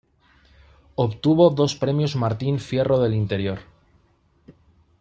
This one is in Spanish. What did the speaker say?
Obtuvo dos premios Martín Fierro del Interior.